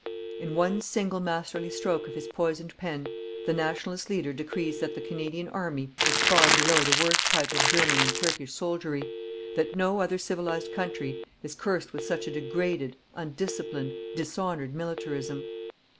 In one single masterly stroke of his poisoned pen the Nationalist leader decrees that the Canadian army is far below the worst type of German and Turkish soldiery, that no other civilized country is cursed with such a degraded, undisciplined, dishonoured militarism.